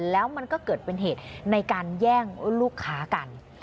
แล้วมันก็เกิดเป็นเหตุในการแย่งลูกค้ากัน